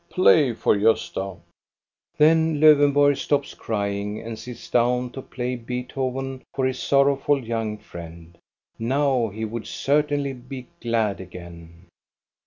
Play for Gosta I " Then Lowenborg stops crying and sits down to play Beethoven for his sorrowful young friend. Now he would certainly be glad again.